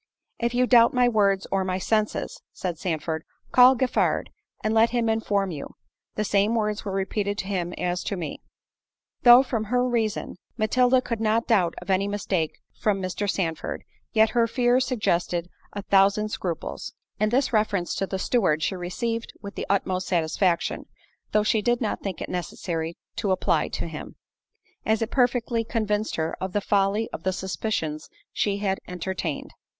"If you doubt my words or my senses," said Sandford, "call Giffard, and let him inform you; the same words were repeated to him as to me." Though from her reason, Matilda could not doubt of any mistake from Mr. Sandford, yet her fears suggested a thousand scruples; and this reference to the steward she received with the utmost satisfaction, (though she did not think it necessary to apply to him) as it perfectly convinced her of the folly of the suspicions she had entertained.